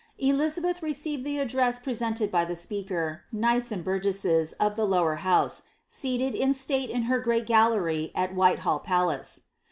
Qizabeth received the address' presented by the speaker, knights, and bureesi$es of the lower house, seated in state in her great gallery at Whitehall palace.